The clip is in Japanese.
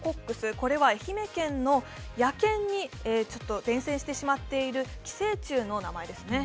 これは愛媛県の野犬に伝染してしまっている寄生虫の名前ですね。